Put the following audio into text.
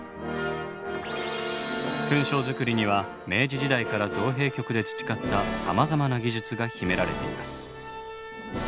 勲章造りには明治時代から造幣局で培ったさまざまな技術が秘められています。